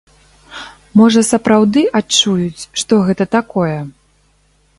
Можа, сапраўды адчуюць, што гэта такое.